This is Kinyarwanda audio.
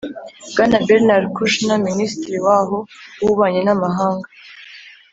Bwana Bernard Kouchner, minisitiri waho w'ububanyi n'amahanga